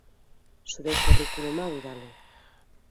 Zure curriculuma bidali.